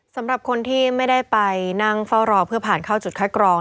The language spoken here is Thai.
สำหรับคนที่ไม่ได้ไปนั่งเฝ้ารอเพื่อผ่านเข้าจุดคัดกรอง